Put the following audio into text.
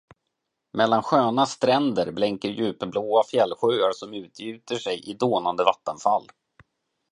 Mellan sköna stränder blänker djupblåa fjällsjöar, som utgjuter sig i dånande vattenfall.